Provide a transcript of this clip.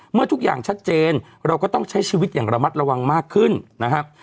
เมื่อทุกอย่างชัดเจนเราก็ต้องใช้ชีวิตอย่างระมัดระวังมากขึ้นนะครับ